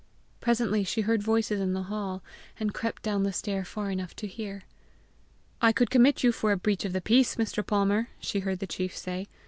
Presently she heard voices in the hall, and crept down the stair far enough to hear. "I could commit you for a breach of the peace, Mr. Palmer," she heard the chief say.